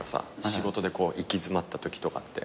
仕事で行き詰まったときとかって。